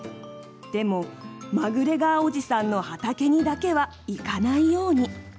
でもマグレガーおじさんの畑にだけは、いかないように」